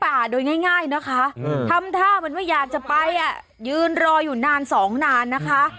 ผู้ป่าโดยง่ายนะคะทำท่ามันไม่อยากจะไปอ่ะยืนรออยู่นานสองนานนะคะ